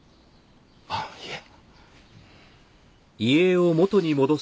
あっいえ。